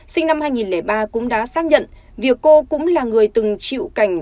sinh năm hai nghìn ba cũng đã xác nhận việc cô cũng là người từng chịu cảnh